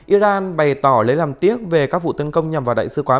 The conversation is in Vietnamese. iran bày tỏ lấy làm tiếc về các vụ tấn công nhằm vào đại sứ quán